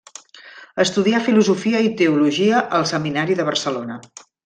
Estudià filosofia i teologia al Seminari de Barcelona.